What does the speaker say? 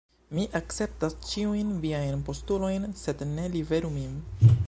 Mi akceptas ĉiujn viajn postulojn; sed ne liveru min.